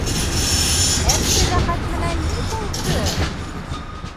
- Әптеләхәт менән ни булды?